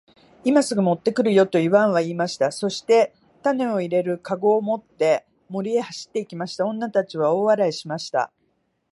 「今すぐ持って来るよ。」とイワンは言いました。そして種を入れる籠を持って森へ走って行きました。女たちは大笑いしました。